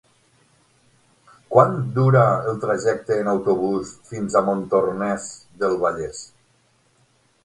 Quant dura el trajecte en autobús fins a Montornès del Vallès?